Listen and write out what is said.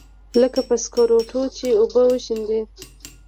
لکه پر سکروټو چې اوبه وشيندې.